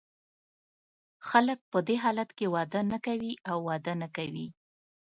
خلګ په دې حالت کې واده نه کوي او واده نه کوي.